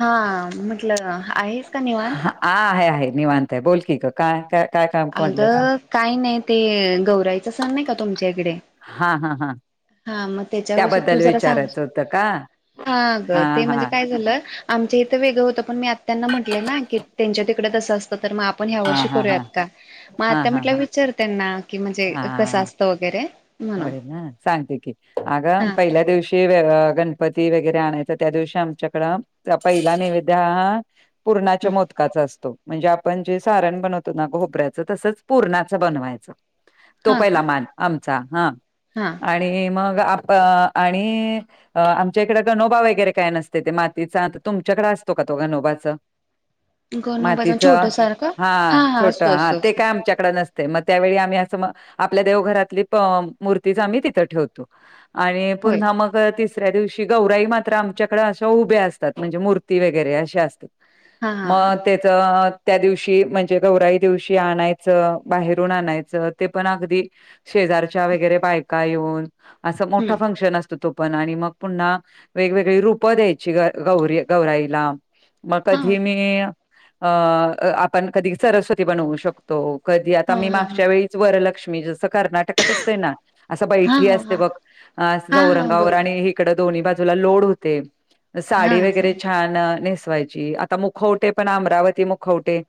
हा म्हटलं आहेस का निवांत? हा आहे आहे निवांतय बोलकी का काय काय काम म्हटलंस अगं काय नाही ते गौराईचा सण नाही का तुमच्याकडे हा हा हा हा मग त्याच्याविषयी तू त्याबद्दल जरा सांग विचारायचं होतं का हा ग ते म्हणजे काय झालं आमच्या इथं वेगळं होतं पण मी आ त्यांना म्हटले ना की त्यांच्या तिकडडेच असं असतं तर मग आपण ह्या हा वर्षी हा हा करूयात का? मग हा आता हा म्हटलं हा विचार त्यांना की कसा हा असतं म्हणजे वगैरे म्हणून होय ना सांगते की अग हा पहिल्या दिवशी गणपती वगैरे आणायच त्या दिवशी आमच्याकडं पहिला नैवेद हा पूर्णाच्या हम्म मोदकाचा असतो म्हणजे आपण जे सारण बनवतो ना घोबऱ्याचं तसंच पुरणाचं बनवायचं तो हा का पहिला मान आमचा हा हा आणि मग आणि आमच्या इकडे गनोबा वगैरे काय नसते ते मातीचा तुमच्याकड असतो का तो ग नोभच गणोबाचं मातीच छोटं सारखं हा छोट असतो हा असतो ते असतो काय आमच्याकडे नसत मग त्यावेळी आम्ही असं मग आपल्या देवघरातली मूर्तीच आम्ही तिथं ठेवतो आणि होय पुन्हा मग ती सऱ्या दिवशी गौराई मात्र आमच्याकडे अशा उभ्या असतात म्हणजे मूर्ती वगैरे अशा असतात हा हा हा मग त्याच त्या दिवशी म्हणजे गौराई दिवशी आणायचं बाहेरून आणायचं ते पण अगदी शेजारच्या वगैरे बायका येऊन असं मोठा हम्म फंक्शन असतो तो पण आणि मग पुन्हा वेगवेगळी रूप द्यायची ग गौरी गौराईला मग हा हा कधी मी अ आपण कधी सरस्वती बनवू शकतो कधी आता हा मी हा मागच्या वेळीच वर लक्ष्मी जसं कर्नाकात अस ना असं हा बैठी हा असते हा बघ हा हा चौरंगावर बरोबर आणि इकड दोन्ही बाज तुला लोड होतय हा साडी सम वगैरे छान नेस वायची आता मुखवटे पण अमरावती मुखवटे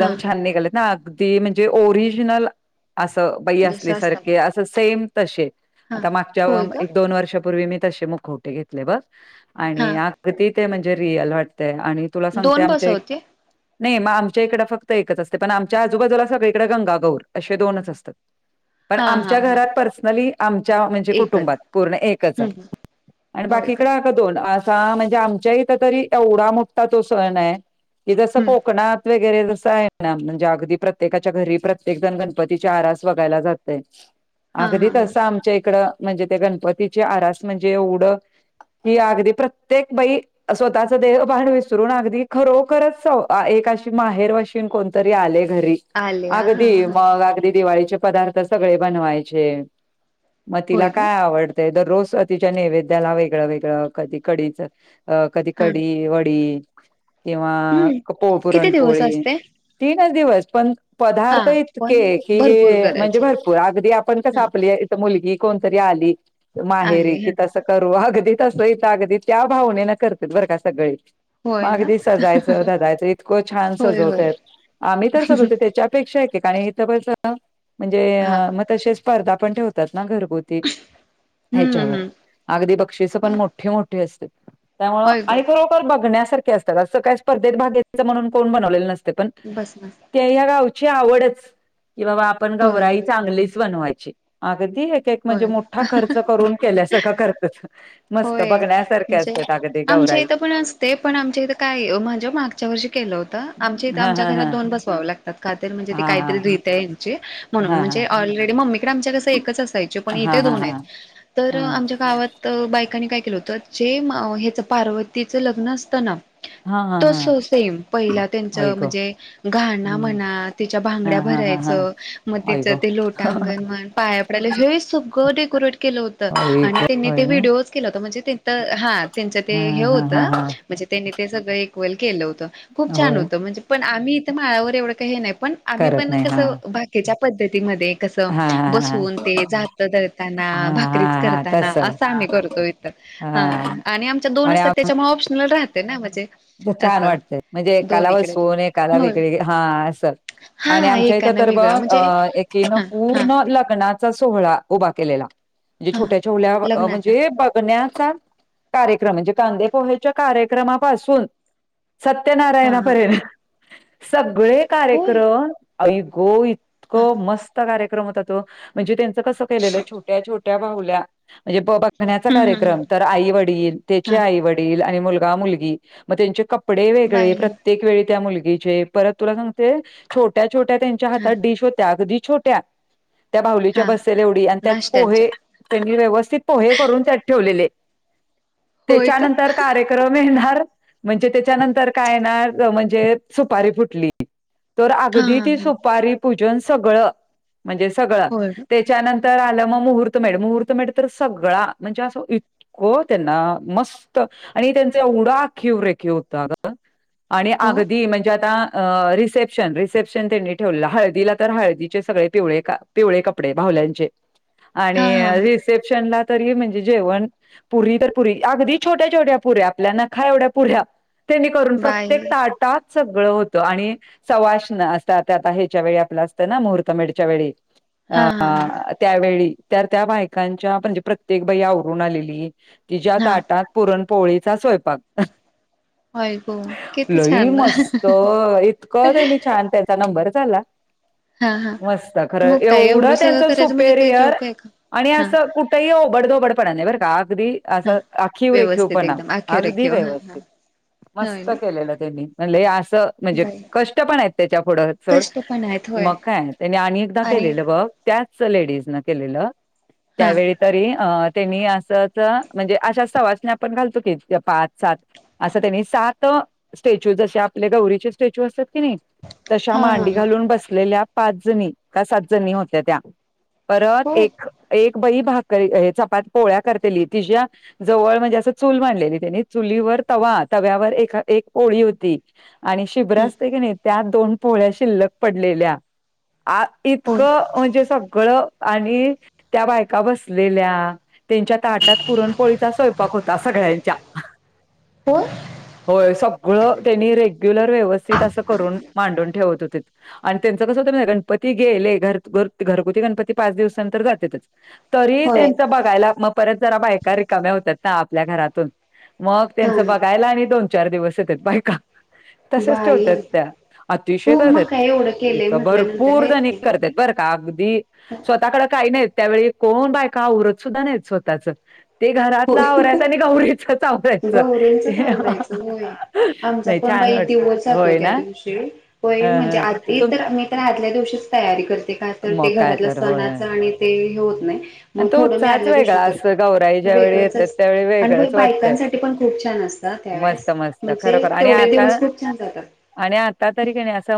हा छान निघालेत ना अगदी म्हणजे ओरिजिनल असं बाई जसं असतात असल्यासारखे असं सेम तसे हा आता मागच्या होय का एक दोन वर्षापूर्वी मी तसे मुखवटे घेतले बघ हा आणि अगदी ते म्हणजे रियल वाटते आणि तुला सांगते दोन बस आमच्या एक होते नाही मग आमच्या इकडं फक्त एकच असते पण आमच्या आजूबाजूला सगळीकडे गंगागौर असे दोनच असतात पण हा हा आमच्या हा घरात पर्सनली आमच्या म्हणजे कुटुंबात एकच पूर्ण एकच हम्म आहे हम्म आणि बाकीकड ह का दोन म्हणजे आमच्या इथ तरी एवढा मोठा तो सण आहे क जस हम्म कोकणात वगै आहे म्हणजे अगदी प्रत्येकाच्या घरी प्रत्येकण गणपती आरास बगायला जात हा अगदी हा हा तसं आमच्या इकड म्हणजे त्या गणपतीची आरास म्हणजे एवढं ही अगदी प्रत्येक बाई स्वतःच देहभान विसरून अगदी खरोखरच माहेर वाशी कोणतरी आली घरी आल्या हा अगदी हा मग अगदी दिवाळीचे पदार्थ सगळे बनवायचे मग तिला होय का काय हा आवडतंय दर रोज तिच्या नैवेद्याला वेगळं वेगळं कधी कढीच कधी कडी वडी किंवा हम्म पो किती दिवस पुरणपोळी असते ती दिवस पण हा पदार्थ पण इतके भरपूर करायचे भरपूर अगदी आपण कस ह ह आपली इथ मुलगी कोणतरी आली माहेरी आले ह कि तसं करू अगदी तसं येतं अगदी त्या भावनेन करते बर का सगळी होय मग ना अगदी सजायचं धधयचं इतकं छान होय होय सजवतयत आम्ही तर ल होते त्याच्यापेक्षा ठिकाणी इथं म्हणजे हा मग तशी स्पर्धा पण ठेवतात घरगुती हम्म हच्यावर हम्म अगदी बक्षीस पण मोठे मोठे असते त्यामु होय आणि गो खरोखर बघण्यासारखे असतात असं काही स्पर्धेत भागायचं म्हणून कोण बनवलेलं नसतं पण बस बस या गावची आवडच की बा आपण होय ना गौराई चांगलीच बनवायची अगदी एक म्हणजे होय ना मोठा खर्च करून केल्यासारखं करतात मस्त होय बघण्यासारखे म्हणजे असतात अगं ते आमच्या गौराई इथं पण असते पण आमच्या इथं काय माझं मागच्या वर्षी केलं होतं आता आमच्या इ हा आमच्या हा हा घरात दोन बसवावे लागतात खातर म्हणजे ते हा हा काहीतरी रीत आहे यांची म्हणून हा म्हणजे ऑलरेडी मम्मीकडे आमच्या एकच असायची पण हा हा इथे हा हा दोन आहेत तर हा आमच्या गावात बायकांनी काय केलं होत जे हच पार्वतीचं लग्न असतं ना हा हा हा तस सेम पहिला त्यांच आई ग म्हणजे घाणा हम्म म्हणा त्याच्या हा भांगड्या भर हा हा हा भरायचं म आई तिचं ग ते लोटांगण म्हण पाया पडायला हे सग डेकोरेट केलं होत आई आणि ग त्यांनी ते होय ना व्हिडिओज केलं होता म्हणजे तर हा त्यांचं ते हा हे हा होतं हा हा म्हणजे त्यांनी ते सगळं इक्वल केलं होत खूप छान होय होतं म्हणजे पण आम्ही इथं माळावर एवढं का हे नाही पण आम्ही करत पण नाही हा कस बाकीच्या पद्धतीमध्ये कस हा हा हा बसून ते जात धरताना हा हा हा भाकरीच हा करताना तस असं आम्ही करतो इ ह हा आणि आमच्या दोन आणि असतात त्याच्या ऑप्शनल राहते ना म्हणजे छान असं वाटतय म्हणजे दोन कालाव इकडे सोन आहे काला दोन होय वगळी हा असं आणि हा आमच्या इथं एकानं तर ब वेगळं अ म्हणजे एकीनं हा हा पूर्ण लग्नाचा सोहळा उभा केलेला म्हणजे हा छोट्या छोल्या लग्नाचा म्हणजे बघण्या कार्यक्रम म्हणजे कांदे पोहा्याच्या कार्यक्रमापासून हा हा सत्यनारायणापेणा सगळे होय कार्यक्रम ई गो इतक हा मस्त कार्यक्रम होता तो म्हणजे त्यांचं कसं केलेलं छोट्या छोट्या बाहल्या म्हणजे ब बघण्याचा हम्म हम्म हम्म कार्यक्रम तर आई वडील त्याचे हा आई वडील आणि मुलगा मुलगी मग त्यांचे कपडे वेगळे बाई प्रत्येक वेळी त्या मुलगीचे परत तुला सांगते छोट्या छोट्या त्यांच्या हा हातात डिश होत्या अगदी छोट्या त्या बावलीच्या हा बसेल एवढी आणि त्यात पोहे नाश्त्यांच्या व्यवस्थित पोहे करून त्यात ठेवलेले होय का त्याच्यानंतर कार्यक्रम येणार म्हणजे त्याच्यानंतर काय येणार म्हणजे सुपारी फुटली तर हा अगदी हा ती हा सुपारी पूजन सगळं म्हणजे सगळं होय का त्याच्यानंतर आलं मग मुहूर्त मेढ मुहूर्त मेढ तर सगळा म्हणजे अस इतकं त्यांना मस्त आणि त्यांच एवढं अखी रेखेव होत अग आणि हो अगदी म्हणजे आता अ रिसेप्शन रिसेप्शन त्यांनी ठेवलं हळदीला तर हळदीचे सगळे पिव पिवळे कपडे भा हा हा रिसेप्शनला तरी म्हणजे जेवण पुरी तर पुरी अगदी छोट्या छोट्या पुऱ्या आपल्याना खा एवढ्या पुऱ्या तेनी करून बाई प्रत्येक ता आटा सगळं होतं आणि सवासण असं आता ह्याच्या वेळी आपलं असतं ना मुहूर्त मेढच्या वेळी हा अ हा हा त्यावेळी त्या त्या बायकांच्या म्हणजे प्रत्येक बाई आवरून आलेली तिच्या हा ताटात पुरणपोळीचा स्वयंपाक होय गो किती लई छान ना मस्त इतकंनी छान त्याचा नंबर मत हा हा मग काय खवढ एवढं सगळं त्यां करायचं म्हणजे सुपर ते जोक आहे का आणि हा असं कुठेही ओबडधोबडपणा नाही बरं का अगदी हा असं आखीवर व्यवस्थित रेखेवपणा एकदम आखेव अगदी व रेखीव हा हा मत होय ना के म्ह म्हणजे बाई कष्ट पण आहेत त्याच्या पुुढंड कष्ट पण आहेत होय मग काय त्यानी आणि एकदा आणि केलेलं बघ त्याच लेडीज न केले हा त्यावेळी तरी ते मी असं म्हणजे अशा सवासने आपण घालतो की पाात सात असं त्यानी सात स्टॅच्यू ज आपले गौरीचे स्टॅच्यू असत नाही तशा हा हा मांडी हा घालून बसलेल्या पाच जणी का सात जणी होत्या त्या परत होय एक एक ब भाक चपात पोहळ्या करतेली तिच्या जवळ म्हणजे असं चूल मांडलेली त्यानी चुलीवर तवा तव्यावर एक पोळी होती आणि शिब्र हम्म असते की नाही त्या दोन पोहळ्या शिल्लक पडलेल्या आ होय इतकं म्हणजे सगळं आणि त्या बायका बसलेल्या त्यांच्या ताटात पुरणपोळीचा स्वयंपाक होता सगळ्या होय होय स सगळं त्यांनी रेग्युलर व्यवस्थित अस करून मांडून ठेवत होते आणि त्यांच कसं होत गणपती त गेले घर घरगुती गणपती पाच दिवसानंतर जातातच तरी होय त्यांच बघायला मग परत जरा बायका रिकाम्या होतात ना आपल्या घरातून मग हा त्यांचं बघायला आणि दोन चार दिवस येतेत बाय का तसेच बाई ठेवतात त्या अतिशय हो मग कातात काय एवढं केलंय इथ म्हटल्यानंतर भरपूर आहेत जणी की करतत बरं का अगदी स्वतःकडें काही नाहीत त्यावेळी कोण बाय का आवरत सुद्धा नाही स्वतःच ते घरातला आवराच आणि गौरीचं गौराईचच आवरायचं होय आमचा नाही पण छान बाई वाटत दिवस जातो होय त्या ना दिवशी ह होय म्हणजे ह आधी तुम तरी तर आ आपल्या दिवशीच तयारी करते खास तर मग ते काय घरातलं तर होय सणाच आणि ते हे होत नाही आणि मग तो थोडं मी उत्साहच आदल्या दिवशी वेगळा असतो करते गौराई ज्यावेेळी वेगळंच येतात असत त्यावेळी आणि वेगळंच वाटतंय. बायकांसाठी पण खूप छान असत मस्त त्यावेेळेस मस्त म्हणजे खरोखर आणि तेवढे आता बस खूप छान जातात आणि आता तरी का नाही अस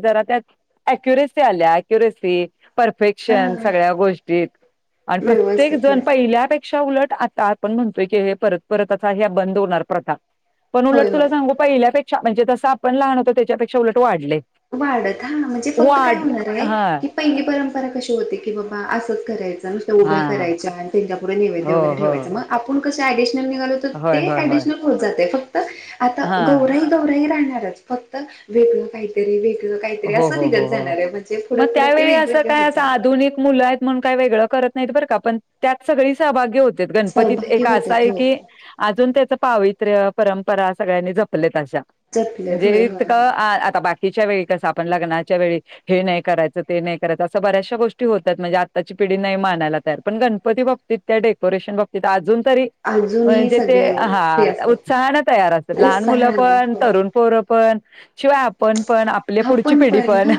जरा त्यात हा फे्शन सगळ्या गोष्टीत आणि प्रत्येक व्यवस्थित जण होय पहिल्यापेक्षा पिक्षा उलट आता आपण म्हणतोय की हे परत परत असा ह्या बंद होणार प्रथा पण उलट होय तुला होय. सांगू पहिल्यापेक्षा म्हणजे जसं आपण लहान होतो त्याच्यापेक्षा उलट वाढले वाढत हा म्हणजे फक्त काय वाढ होणार आहे हा की पैंगी परंपरा कशी की बाबा असच करायच नुसत हा उभ्या करायच्या आणि त्यांच्या पुे नैद्य हो वगैरे हो ठेवायच मग आप घाड होय होय होय होत फक्त आता हा ग ग फक्त वेगळ काहीतरी वेग हो हो हो हो मग पुढे ते त्यावेळी असं वेगवेगळे काय होत अस जाणार आधुिक मुलं आहेत म्हण का वेग करत नाही काण त्यात सग सभा हो गणपतीत सहभागी एक असा होतात आहे हो की अजून त्याच पावित्र्य परंपरा सगळ्यांनी जपले जपलेत होय म्हणजे होय होय आता बाकीच्या वेळी आपण लग्नाच्या वे हे नाही करायचं नाही करायचं अस बऱ्याचशा गोष्टी होतात म्हणजे आताची पिढी नाही ण गणपती बात त्या डेकोरेशन बात अजून तरी अजूनही म्हणजे ते सगळे हा हे असतात उत्साहने तयार असत लहान उत्साह मुलं आलाय पण होय तरुण पोरं पण शिवाय आपण पण आपल्या पुढची आपण पिढी पण हा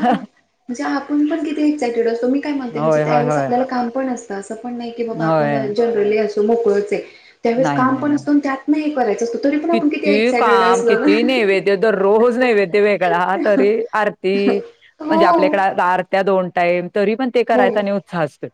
म्हणजे आपण पण किती एक्सायटेड असतो मी काय म्हणते म्हणजे होय होय त्यावेळेस होय आपल्याला काम पण असत ण नाही बा आप होय. जनरली अस मोकळच त्यावेस नाही, काम नाही, पण नाही. अस त्यात नाही कराच किती काम किती नैवेद्य दररोज नैवेद्य वेगळा तरी आरती म्हणजे आपल्याकड आरत्या दोन टाईम तरी पण ते ब करायचा आणि उत्साह असतोय.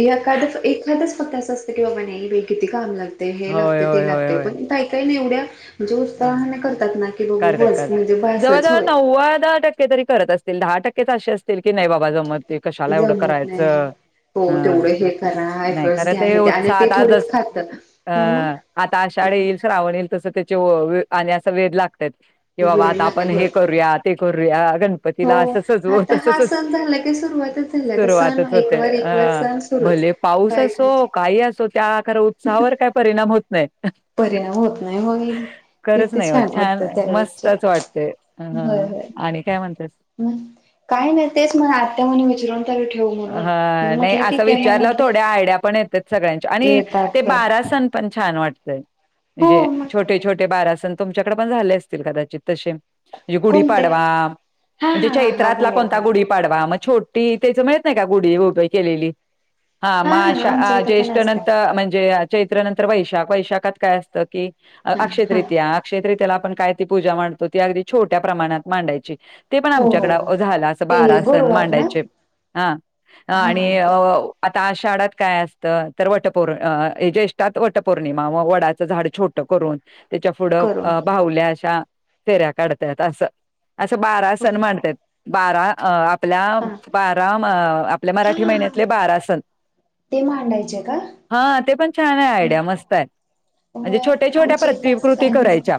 एखादं एखादच फक्त असं असतं की बाबा नाही वे किती काम लागते हे होय, लागते ते लागते पण काही काही नाही एवढ्या म्हणजे ह उत्साहाने करतात ना की बाबा करतात बस करत म्हणजे जवळ बसच जवळ होय नव्वदाहा टक्के तरी करत असत दहा टक्केच असे असतील की नाही बाबा ज मत ते कशाला एवढं जमत नाही करायचं हो ह तेवढं हे करा नाही एफर्ट्स खर घ्या ते हे आणि उत्साह ते आता थोडेच अ खातं मग आता ा येईल श्रवण येईल तस त्याचे असा वेध लागत कि बाबा वेळ आता आपण लागेल होय हे करूया ते करूया गणपतीला हो असं सजवू आता तस हा सजव सण झाला की सुरुवातच झाली आता सण सुरुवातच होते एकवर अ एकवर सण सुरूच भले पाऊस असो बायकांची काही असो त्या उत्वर काय परिणाम होत नाही परिणाम होत नाही बघ तेि खरंच ते नाही होत छान वाटतात त्यावेचार मस्तच वाटते अ होय आणि काय म्हणतेस होय काही नाही तेच म्हण आत्या म्ह विजरणता हा नाही असं विचारलं म्हटलं थोड्या आयडिया पण येतात सगळ्यांच्या आणि येतात ते होय बारा सण प छान वाटतय म्हणजे हो मग छोटे छोटे बारासन तुमच्याकडे पण झाले असतील कदाचित तसे म्हणजे कोणते गुढीपाडवा हा म्हणजे हा हा हा हो चैत्रातला कोणता हो गुढी पाडवा मग छोटी त्याच म्ह का गुढी केलेली आमच्या हा इथं पण ज्येषठ असतात नंतर म्हणजे चैत्र नंतर वैशाख वैशाखात काय असतं की हा अक्षय हा तरीितया अक्षय तती त्याला आपण काय ती पूजा मडतो ती अगदी छोट्या प्रमाणात मांडायची ते पण हो हो आमच्याकड हो झालं अस ते बारा सण गुरुवार ना मांडायचे हा हा आणि ते आता शाळात काय असतं तर वटपौर्ण ज्येष्ठात वटपौर्णिमा व वडाचं झाड छोटं करून तेच्या पुुढं करून अ- बाहुल्या अशा फेऱ्या काढत्यात असं असं बारा हो सण म्हणतात बारा अ आपल्या हा बारा आपल्या मराठी हा. महिन्यातले बारा सण ते मांडायचे का? हा ते पण छान आहे आयडिया मस्त आहे म्हणजे होय छोट्या छोट्या आमच्या इथ असं प्रतिकृती काय नसतय. करायच्या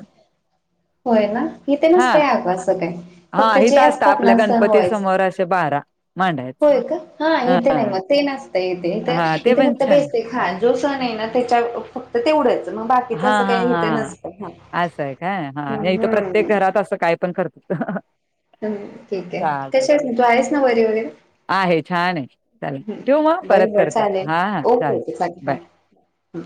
होय ना इथे नसतय हा- अगं असं काय हा.. फक्त जे इथं असतं असतात आपल्या ना सण गणपती व्हायच समोर असे बा बरा [unintelligible] होय का हा इथं नाही मग ते इथं येतंय काय हा ते इथे पण फक्त छान बेसीक हा जो सण आहे ना तेच्या - फक्त तेवढंच मग बाकीच हा अस हा हा असंय काय हा हे इथं हम्म प्रत्येक घरात असं काय पण करतात हम्म ठीक आहे कशी आहेस म तू आहेस ना बरी वगैरे आहे छान आहे चालेल ठेवू म बर परत बर करते चालेल हा हा ओके -ओके चालेल बाय बाय-बाय हम्म